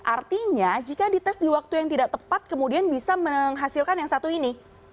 artinya jika dites di waktu yang tidak tepat kemudian bisa menghasilkan yang satu ini